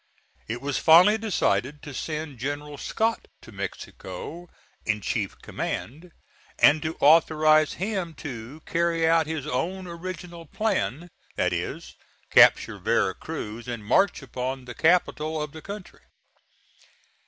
It was finally decided to send General Scott to Mexico in chief command, and to authorize him to carry out his own original plan: that is, capture Vera Cruz and march upon the capital of the country.